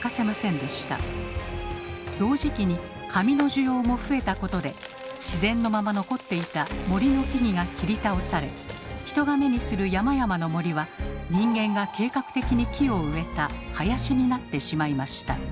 同時期に紙の需要も増えたことで自然のまま残っていた「森」の木々が切り倒され人が目にする山々の森は人間が計画的に木を植えた「林」になってしまいました。